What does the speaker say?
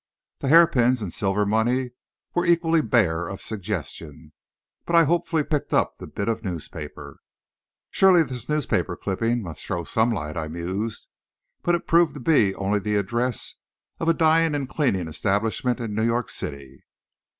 The hair pins and the silver money were equally bare of suggestion, but I hopefully picked up the bit of newspaper. "Surely this newspaper clipping must throw some light," I mused, but it proved to be only the address of a dyeing and cleaning establishment in New York City.